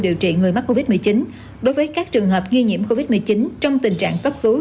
điều trị người mắc covid một mươi chín đối với các trường hợp nghi nhiễm covid một mươi chín trong tình trạng cấp cứu